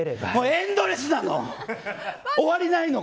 エンドレスなの？